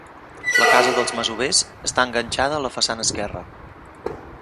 La casa dels masovers està enganxada a la façana esquerra.